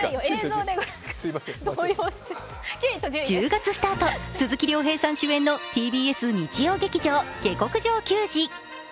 動揺して１０月スタート、鈴木亮平さん主演のＴＢＳ日曜劇場「下剋上球児」。